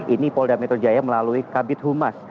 ini polda metro jaya melalui kabit humas